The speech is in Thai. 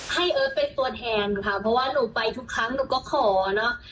เอิร์ทเป็นตัวแทนค่ะเพราะว่าหนูไปทุกครั้งหนูก็ขอเนอะ